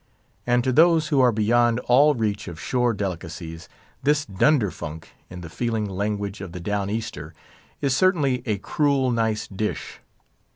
And to those who are beyond all reach of shore delicacies, this dunderfunk, in the feeling language of the Down Easter, is certainly "a cruel nice dish."